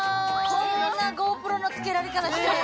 こんなＧｏＰｒｏのつけられ方して。